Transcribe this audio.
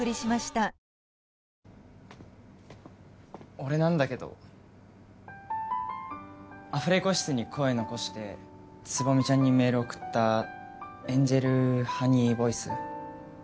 俺なんだけどアフレコ室に声残して蕾未ちゃんにメールを送ったエンジェルハニーボイス？